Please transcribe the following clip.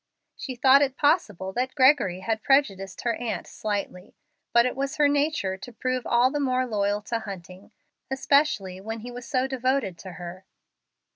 She thought it possible that Gregory had prejudiced her aunt slightly. But it was her nature to prove all the more loyal to Hunting, especially when he was so devoted to her.